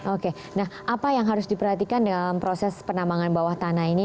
oke nah apa yang harus diperhatikan dalam proses penambangan bawah tanah ini